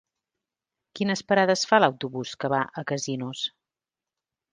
Quines parades fa l'autobús que va a Casinos?